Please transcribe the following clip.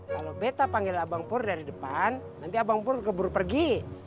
kalau beta panggil abang pur dari depan nanti abang pur keburu pergi